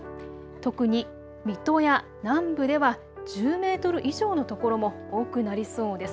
特に水戸や南部では１０メートル以上の所も多くなりそうです。